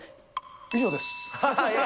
以上です。